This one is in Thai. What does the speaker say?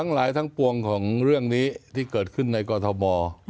ง็หลายถั้งปวงของเรื่องนี้ที่เกิดขึ้นในกฎธอมอฮิว